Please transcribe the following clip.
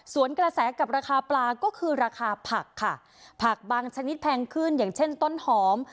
ส่วนกระแสกับราคาปลาก็คือราคาผักค่ะผักบางชนิดแพงขึ้นอย่างเช่นต้นหอม